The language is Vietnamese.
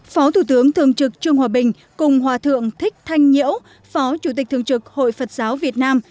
phó thủ tướng thường trực trương hòa bình cùng hòa thượng thích thanh nhiễu phó chủ tịch thường trực hội phật giáo việt nam